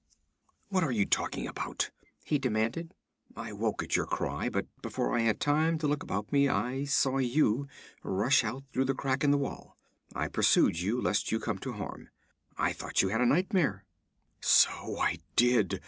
'What are you talking about?' he demanded. 'I woke at your cry, but before I had time to look about me, I saw you rush out through the crack in the wall. I pursued you, lest you come to harm. I thought you had a nightmare.' 'So I did!'